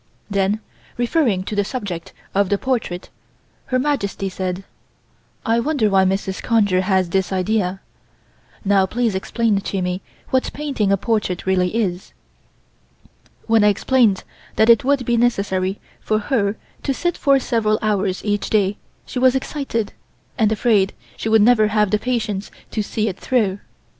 Then, referring to the subject of the portrait Her Majesty said: "I wonder why Mrs. Conger has this idea. Now please explain to me what painting a portrait really is." When I explained that it would be necessary for her to sit for several hours each day she was excited, and afraid she would never have the patience to see it through.